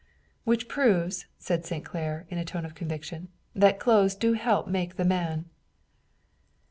"Which proves," said St. Clair, in a tone of conviction, "that clothes do help make the man."